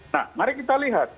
nah mari kita lihat